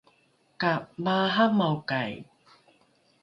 ka maaramaokai